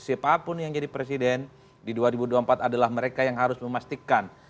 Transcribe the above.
siapapun yang jadi presiden di dua ribu dua puluh empat adalah mereka yang harus memastikan